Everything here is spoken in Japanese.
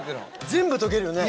全部溶けるよね。